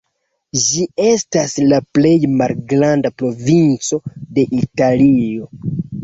Ĝi estas la plej malgranda provinco de Italio.